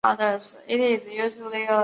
雄维勒马洛蒙人口变化图示